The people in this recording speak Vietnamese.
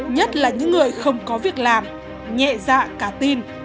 nhất là những người không có việc làm nhẹ dạ cả tin